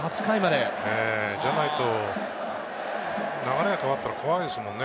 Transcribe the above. じゃないと流れが変わったら怖いですもんね。